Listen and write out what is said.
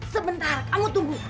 sebentar kamu tunggu